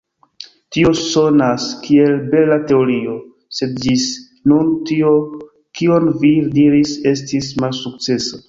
Tio sonas kiel bela teorio, sed ĝis nun tio kion vi diris estis malsukcesa.